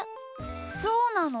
そうなの？